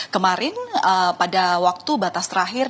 kemarin pada waktu batas terakhir